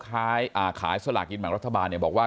ขายอ่าขายสลากกินแบ่งอรธบาลเนียบอกว่า